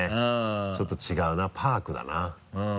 ちょっと違うな「ｐａｒｋ」だな。